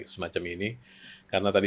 semacam ini karena tadi